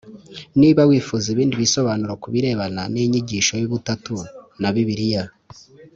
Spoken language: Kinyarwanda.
niba wifuza ibindi bisobanuro ku birebana n’inyigisho y’ubutatu na bibiliya